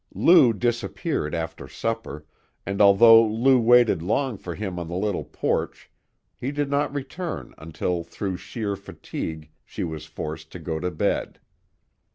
Lou disappeared after supper, and although Lou waited long for him on the little porch, he did not return until through sheer fatigue she was forced to go to bed.